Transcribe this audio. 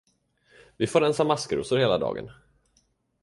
Vi får rensa maskrosor hela dagen.